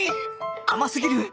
甘すぎる！